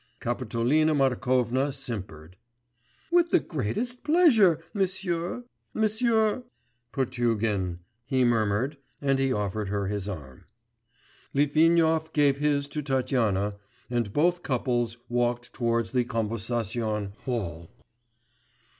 Kapitolina Markovna simpered. 'With the greatest pleasure M'sieu ... M'sieu ' 'Potugin,' he murmured, and he offered her his arm. Litvinov gave his to Tatyana, and both couples walked towards the Konversation Hall.